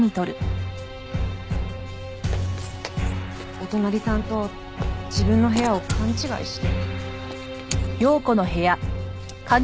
お隣さんと自分の部屋を勘違いして。